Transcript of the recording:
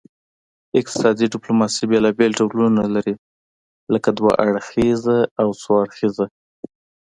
اقتصادي ډیپلوماسي بیلابیل ډولونه لري لکه دوه اړخیزه او څو اړخیزه